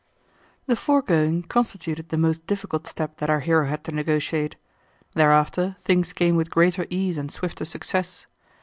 The foregoing constituted the most difficult step that our hero had to negotiate. Thereafter things came with greater ease and swifter success.